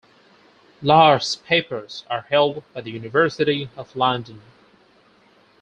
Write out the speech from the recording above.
Lahr's papers are held by the University of London.